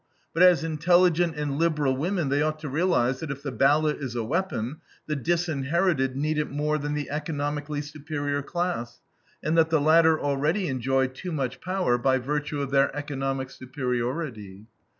But as intelligent and liberal women they ought to realize that if the ballot is a weapon, the disinherited need it more than the economically superior class, and that the latter already enjoy too much power by virtue of their economic superiority.